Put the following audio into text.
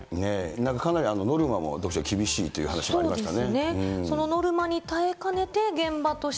なんかかなりノルマも厳しいという話も、徳ちゃん、ありましたよね。